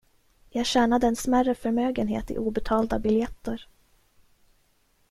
Jag tjänade en smärre förmögenhet i obetalda biljetter.